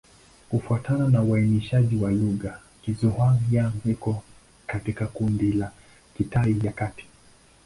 Kufuatana na uainishaji wa lugha, Kizhuang-Yang iko katika kundi la Kitai ya Kati.